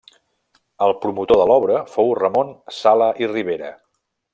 El promotor de l'obra fou Ramon Sala i Ribera.